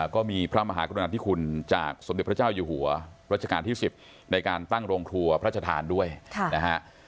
ก็มีพระมหากรุณาธิคุณจากสมเด็จพระเจ้าอยู่หัวรัชกาลที่๑๐ในการตั้งโรงครัวพระชธานด้วยนะฮะ